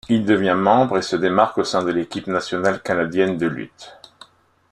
Il devient membre et se démarque au sein de l'équipe nationale canadienne de lutte.